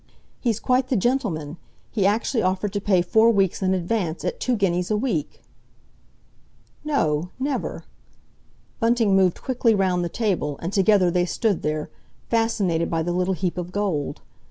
He's quite the gentleman! He actually offered to pay four weeks in advance, at two guineas a week." "No, never!" Bunting moved quickly round the table, and together they stood there, fascinated by the little heap of gold.